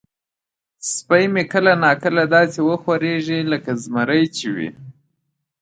سپی مې کله نا کله داسې وخوریږي لکه زمری چې وي.